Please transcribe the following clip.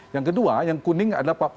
yang kedua yang kuning adalah pak prabowo